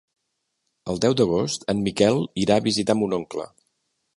El deu d'agost en Miquel irà a visitar mon oncle.